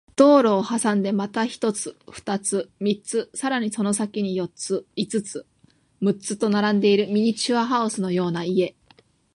道路を挟んでまた一つ、二つ、三つ、さらにその先に四つ、五つ、六つと並んでいるミニチュアハウスのような家